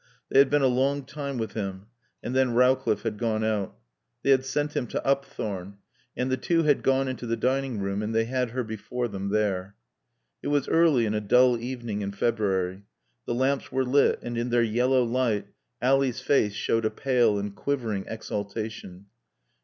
They had been a long time with him, and then Rowcliffe had gone out. They had sent him to Upthorne. And the two had gone into the dining room and they had her before them there. It was early in a dull evening in February. The lamps were lit and in their yellow light Ally's face showed a pale and quivering exaltation.